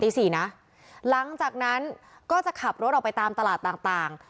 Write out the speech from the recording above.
นะหลังจากนั้นก็จะขับรถออกไปตามตลาดต่างต่าง